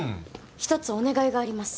１つお願いがあります。